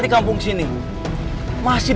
di kampung sini masih